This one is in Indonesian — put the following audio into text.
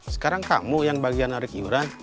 sekarang kamu yang bagian narik iuran